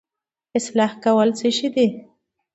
اصلاح کول څه دي؟